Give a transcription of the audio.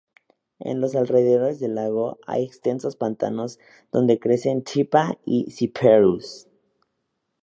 En los alrededores del lago, hay extensos pantanos donde crecen Typha y Cyperus.